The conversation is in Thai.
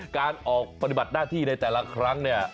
การออกปฏิบัติหน้าที่ในแต่ละครั้งเนี่ย